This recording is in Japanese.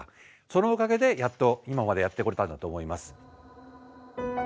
そのおかげでやっと今までやってこれたんだと思います。